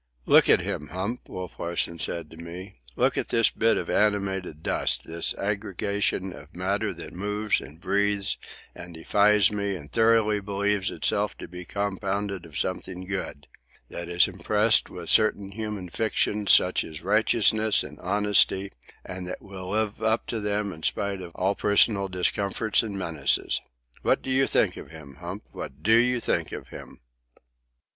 "Look at him, Hump," Wolf Larsen said to me, "look at this bit of animated dust, this aggregation of matter that moves and breathes and defies me and thoroughly believes itself to be compounded of something good; that is impressed with certain human fictions such as righteousness and honesty, and that will live up to them in spite of all personal discomforts and menaces. What do you think of him, Hump? What do you think of him?"